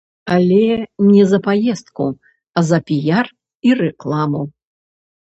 Але не за паездку, а за піяр і рэкламу.